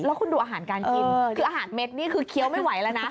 แล้วคุณดูอาหารการกินคืออาหารเม็ดนี่คือเคี้ยวไม่ไหวแล้วนะ